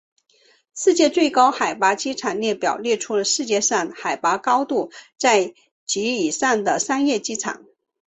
世界最高海拔机场列表列出世界上海拔高度在及以上的商业机场。